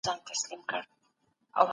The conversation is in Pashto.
مکناتن عاجز شو.